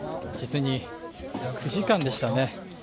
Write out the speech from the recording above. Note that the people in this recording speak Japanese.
実に９時間でしたね。